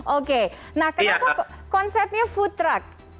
oke nah kenapa konsepnya food truck